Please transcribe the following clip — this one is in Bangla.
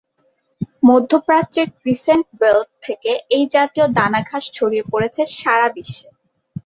মধ্যপ্রাচ্যের ক্রিসেন্ট বেল্ট থেকে এ জাতীয় দানা-ঘাস ছড়িয়ে পড়েছে সারা বিশ্বে।